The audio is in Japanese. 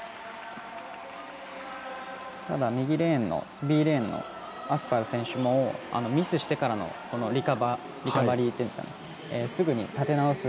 ただ、右レーン、Ｂレーンのアスパル選手もミスしてからのリカバリーすぐに立て直す